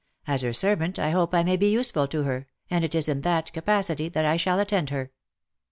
As her servant I hope I may be useful to her, and it is in that capacity that I shall attend her."